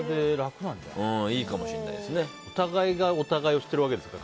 お互いがお互いを知ってるわけですから。